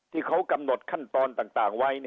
ที่เขากำหนดขั้นตอนต่างไว้